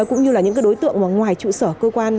cũng như những đối tượng ngoài trụ sở cơ quan